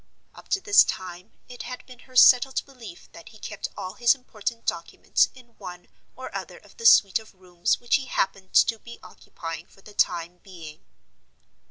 Up to this time it had been her settled belief that he kept all his important documents in one or other of the suite of rooms which he happened to be occupying for the time being.